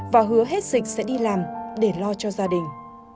và hứa hết dịch sẽ đi làm để lo cho gia đình